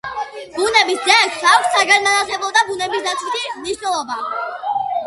ბუნების ძეგლს აქვს საგანმანათლებლო და ბუნებისდაცვითი მნიშვნელობა.